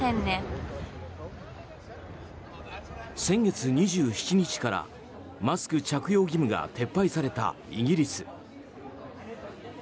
先月２７日からマスク着用義務が撤廃されたイギリス。